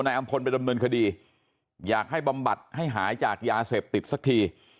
อำพลไปดำเนินคดีอยากให้บำบัดให้หายจากยาเสพติดสักที